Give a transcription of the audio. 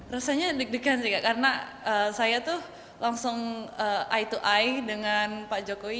rasanya deg degan sih kak karena saya tuh langsung eye to eye dengan pak jokowi